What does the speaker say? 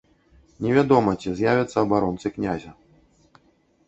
Невядома, ці з'явяцца абаронцы князя.